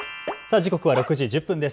時刻は６時１０分です。